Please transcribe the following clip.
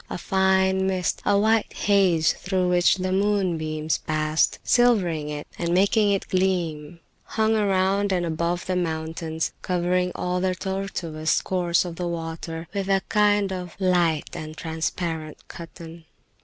A fine mist, a white haze through which the moonbeams passed, silvering it and making it gleam, hung around and above the mountains, covering all the tortuous course of the water with a kind of light and transparent cotton.